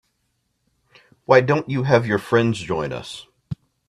Why don't you have your friends join us?